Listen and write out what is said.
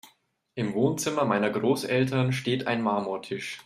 Im Wohnzimmer meiner Großeltern steht ein Marmortisch.